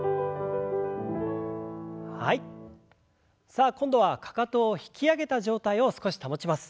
さあ今度はかかとを引き上げた状態を少し保ちます。